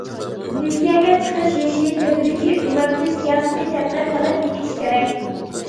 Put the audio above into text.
پېنسىيەگە چىقىش يېشىنى تەدرىجىي ئۇزارتىش سىياسىتىنى تەتقىق قىلىپ بېكىتىش كېرەك.